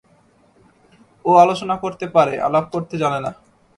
ও আলোচনা করতে পারে, আলাপ করতে জানে না।